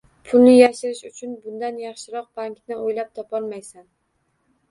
Pulni yashirish uchun bundan yaxshiroq bankni o`ylab topolmaysan